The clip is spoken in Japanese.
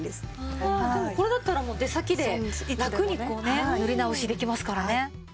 これだったら出先でラクに塗り直しできますからね。